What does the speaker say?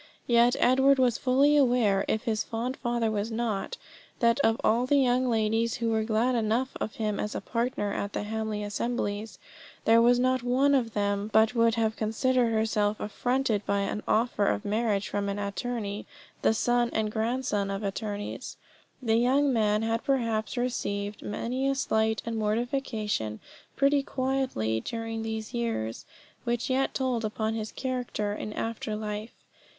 Yet Edward was fully aware, if his fond father was not, that of all the young ladies who were glad enough of him as a partner at the Hamley assemblies, there was not of them but would have considered herself affronted by an offer of marriage from an attorney, the son and grandson of attorneys. The young man had perhaps received many a slight and mortification pretty quietly during these years, which yet told upon his character in after life.